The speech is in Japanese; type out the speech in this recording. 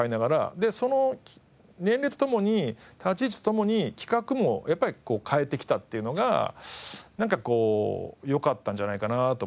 でその年齢とともに立ち位置とともに企画もやっぱり変えてきたっていうのがなんかよかったんじゃないかなと思うんですよね。